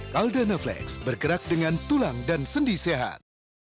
caldana flex bergerak dengan tulang dan sendi sehat